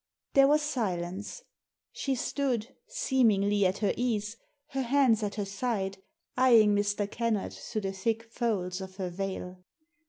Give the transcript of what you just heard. There was silence. She stood, seemingly at her ease, her hands at her side, eyeing Mr. Kennard through the thick folds of her veil.